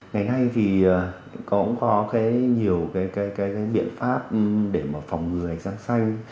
ngày nay thì cũng có nhiều cái biện pháp để mà phòng ngừa ánh sáng xanh